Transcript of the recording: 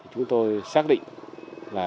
chúng tôi xác định là